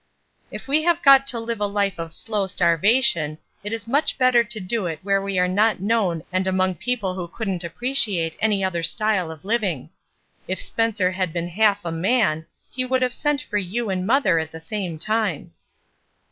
"If we have got to live a hfe of slow starva tion, it is much better to do it where we are not known and among people who couldn't appreciate any other style of living. If Spencer had been half a man, he would have sent for you and mother at the same time."